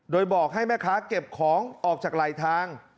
โดยบอกให้แม่ค้าเก็บของออกจากไหลทาง